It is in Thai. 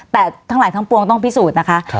แต่ทั้งหลายทั้งปวงต้องพิสูจน์นะคะ